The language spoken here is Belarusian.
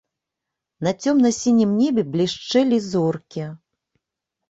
На цёмна-сінім небе блішчэлі зоркі.